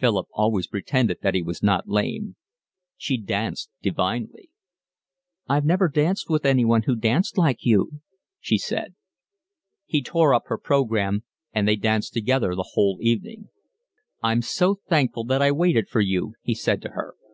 (Philip always pretended that he was not lame.) She danced divinely. "I've never danced with anyone who danced like you," she said. She tore up her programme, and they danced together the whole evening. "I'm so thankful that I waited for you," he said to her.